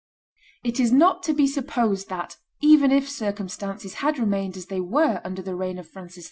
] It is not to be supposed that, even if circumstances had remained as they were under the reign of Francis II.